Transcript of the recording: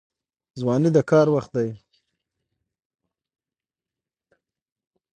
ځواني د کار وخت دی